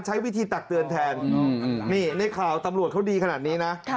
ใช้วิธีตักเตือนแทนนี่ในข่าวตำรวจเขาดีขนาดนี้นะ